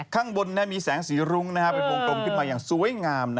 ข้างบนมีแสงสีรุ้งเป็นวงกลมขึ้นมาอย่างสวยงาม